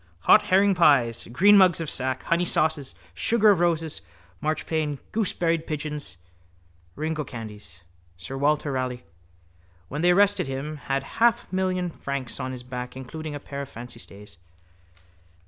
Hot herringpies, green mugs of sack, honeysauces, sugar of roses, marchpane, gooseberried pigeons, ringocandies. Sir Walter Raleigh, when they arrested him, had half a million francs on his back including a pair of fancy stays.